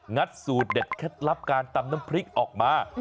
ัดสูตรเด็ดเคล็ดลับการตำน้ำพริกออกมา